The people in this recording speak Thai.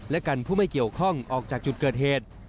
และกันผู้ไม่เกี่ยวข้องออกจากจุดเกิดเหตุ